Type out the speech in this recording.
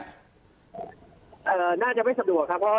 น่าจะไม่สะดวกครับ